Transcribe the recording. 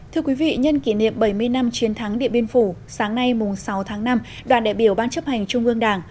thưa quý vị nhân kỷ niệm bảy mươi năm chiến thắng điện biên phủ sáng nay sáu tháng năm đoàn đại biểu ban chấp hành trung ương đảng